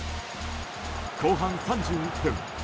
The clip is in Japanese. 後半３１分。